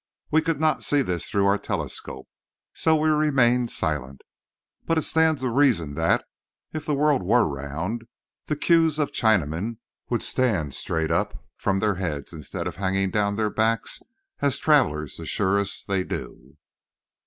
We could not see this through our telescope, so we remained silent. But it stands to reason that, if the world were round, the queues of Chinamen would stand straight up from their heads instead of hanging down their backs, as travellers assure us they do.